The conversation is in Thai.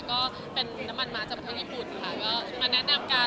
ก็เป็นน้ำมันม้าจากประเทศญี่ปุ่นค่ะก็มาแนะนำกัน